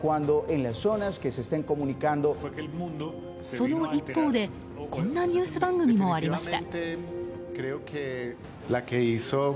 その一方で、こんなニュース番組もありました。